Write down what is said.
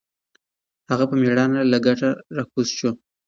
هغه په مېړانه له کټه راکوز شو.